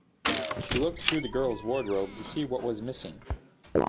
She looked through the girl's wardrobe to see what was missing.